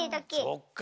そっか。